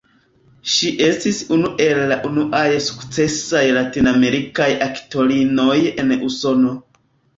Ŝi estis unu el la unuaj sukcesaj latinamerikaj aktorinoj en Usono.